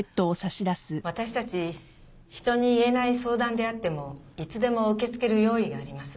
私たち人に言えない相談であってもいつでも受け付ける用意があります。